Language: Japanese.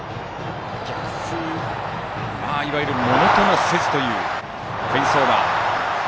いわゆる逆風をものともせずというフェンスオーバー。